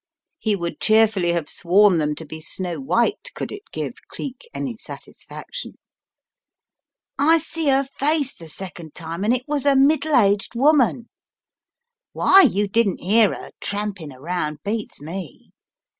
He would cheerfully have sworn them to be snow white could it give Cleek any satisfaction. "I see 'er face the second time and it was a middle aged woman. Why you didn't 'ear 'er tramping around beats me.